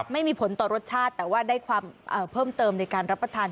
ไม่มีผลต่อรสชาติแต่ว่าได้ความเพิ่มเติมในการรับประทาน